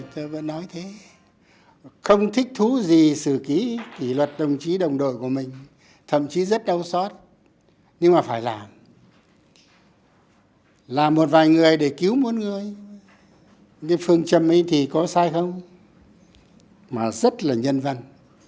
cái phương châm ấy thì có sai không mà rất là nhân văn